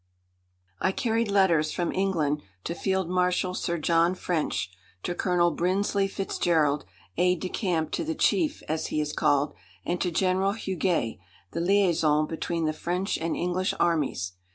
I carried letters from England to Field Marshal Sir John French, to Colonel Brinsley Fitzgerald, aid de camp to the "Chief," as he is called, and to General Huguet, the liaison between the French and English Armies.